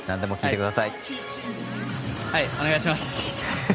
お願いします。